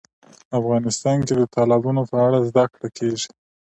افغانستان کې د تالابونو په اړه زده کړه کېږي.